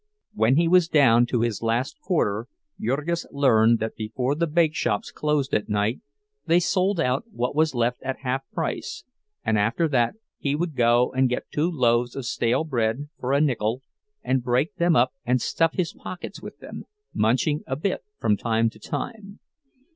When he was down to his last quarter, Jurgis learned that before the bakeshops closed at night they sold out what was left at half price, and after that he would go and get two loaves of stale bread for a nickel, and break them up and stuff his pockets with them, munching a bit from time to time.